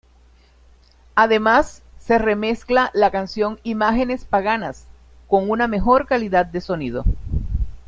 Además se remezcla la canción "Imágenes Paganas", con una mejor calidad de sonido.